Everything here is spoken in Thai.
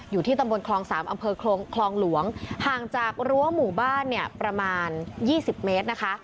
อยู่ที่ตำบลคลอง๓อำเภอคลองหลวงห่างจากรั้วหมู่บ้านเนี่ยประมาณ๒๐เมตรนะคะ